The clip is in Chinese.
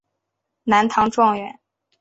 南唐状元。